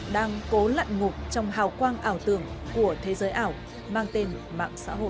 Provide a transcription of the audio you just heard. đang cố lặn ngục trong hào quang ảo tường của thế giới ảo mang tên mạng xã hội